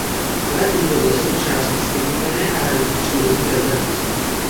Celé údolí je součástí stejnojmenné národní přírodní rezervace.